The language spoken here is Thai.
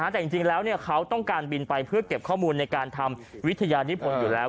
แต่จริงแล้วเขาต้องการบินไปเพื่อเก็บข้อมูลในการทำวิทยานิพลอยู่แล้ว